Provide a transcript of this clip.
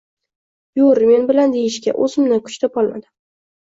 Yur men bilan deyishga o’zimda kuch topolmadim.